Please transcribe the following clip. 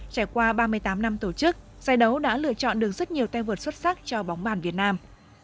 trải qua ba mươi tám năm tổ chức giải đấu đã lựa chọn được rất nhiều te vượt xuất sắc cho bóng bàn việt nam